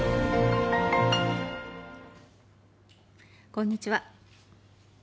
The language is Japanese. こんにちは。